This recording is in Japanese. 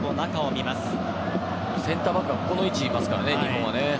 センターバックがここの位置にいますからね日本は。